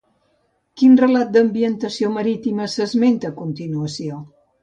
Quin relat d'ambientació marítima s'esmenta a continuació?